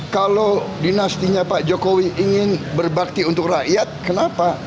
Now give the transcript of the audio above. kalau dinastinya pak jokowi ingin berbakti untuk rakyat kenapa